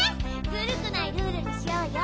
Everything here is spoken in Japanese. ずるくないルールにしようよ。